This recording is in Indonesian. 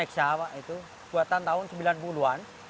eksa pak buatan tahun sembilan puluh an